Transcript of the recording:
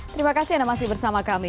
terima kasih anda masih bersama kami